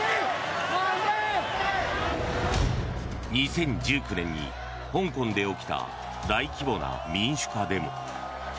２０１９年に香港で起きた大規模な民主化デモ。